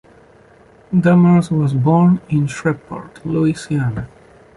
Dumars was born in Shreveport, Louisiana.